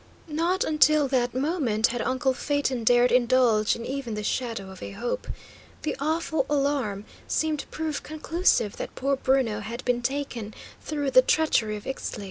Not until that moment had uncle Phaeton dared indulge in even the shadow of a hope. The awful alarm seemed proof conclusive that poor Bruno had been taken, through the treachery of Ixtli.